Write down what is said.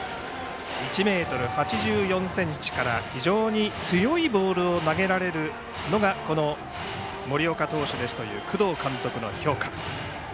１ｍ８４ｃｍから強いボールを投げられるのが森岡投手ですという工藤監督の評価。